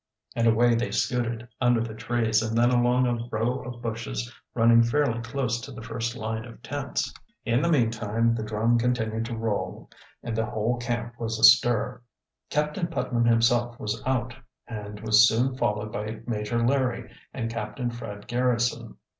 And away they scooted, under the trees and then along a row of bushes running fairly close to the first line of tents. In the meantime the drum continued to roll and the whole camp was astir. Captain Putnam himself was out and was soon followed by Major Larry and Captain Fred Garrison.